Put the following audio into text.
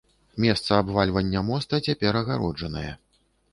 Месца абвальвання моста цяпер агароджанае.